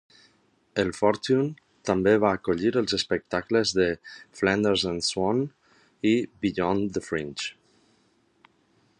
El Fortune també va acollir els espectacles de "Flanders and Swann" i "Beyond the Fringe".